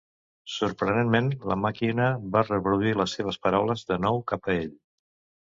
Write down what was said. Sorprenentment la màquina va reproduir les seves paraules de nou cap a ell.